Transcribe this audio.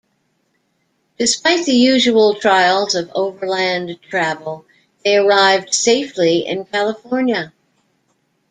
Despite the usual trials of overland travel, they arrived safely in California.